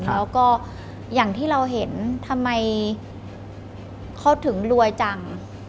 แล้วก็อย่างที่เราเห็นทำไมเขาถึงรวยจัง